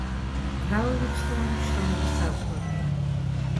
მრავალრიცხოვანი შრომების ავტორია.